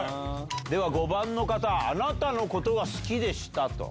では５番の方「あなたのことが好きでした」と。